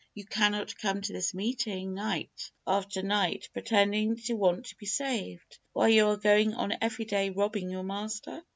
You cannot come to this meeting night after night pretending to want to be saved, while you are going on every day robbing your master!